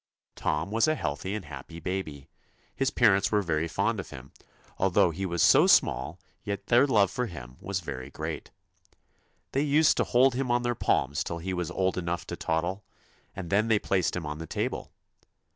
Tom was a healthy and happy baby. His parents were very fond of him ; although he was so small 199 TOM yet their love for him was very great. They used THUMB to hold him on their palms till he was old enough to toddle, and then they placed him on the table.